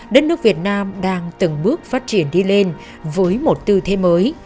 đất nước việt nam đang từng bước phát triển đi lên với một tư thế mới